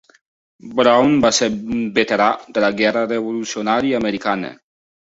Brown va ser un veterà de la guerra revolucionària americana.